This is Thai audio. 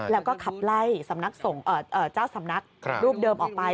แล้วก็ขับไล่สำนักเจ้าสำนักรูปเดิมออกไป